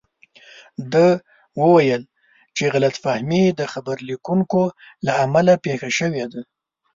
ده وویل چې غلط فهمي د خبر لیکونکو له امله پېښه شوې ده.